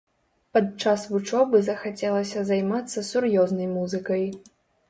Падчас вучобы захацелася займацца сур'ёзнай музыкай.